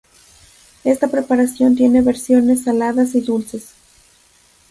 Esta preparación tiene versiones saladas y dulces.